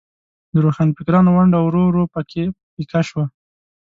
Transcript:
د روښانفکرانو ونډه ورو ورو په کې پیکه شوه.